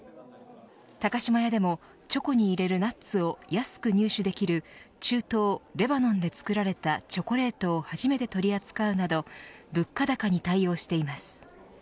高島屋でも、チョコに入れるナッツを安く入手できる中東レバノンで作られたチョコレートを初めて取り扱うなど物価高に対応しています。